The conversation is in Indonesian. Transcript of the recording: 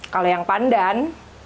kalau yang pandan